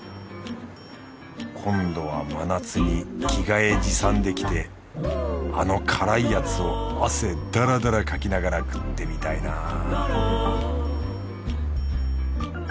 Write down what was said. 今度は真夏に着替え持参で来てあの辛いやつを汗ダラダラかきながら食ってみたいな